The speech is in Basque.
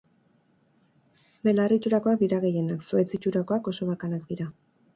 Belar itxurakoak dira gehienak; zuhaitz itxurakoak oso bakanak dira.